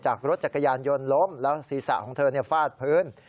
รถจักรยานยนต์ล้มแล้วศีรษะของเธอฟาดพื้น